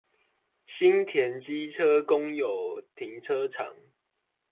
新田機車公有停車場